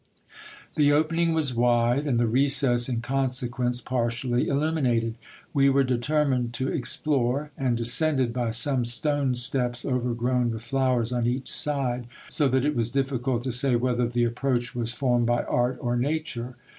The opening was wide, and the recess in consequence partially illuminated. We were de termined to explore ; and descended by some stone steps overgrown with flowers on each side, so that it was difficult to say whether the approach was formed by art or nature.